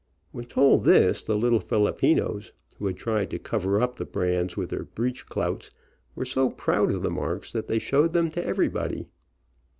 When told this the little Filipinos, who had tried to cover up the brands with their breech clouts, were so proud of the marks that they showed them to everybody.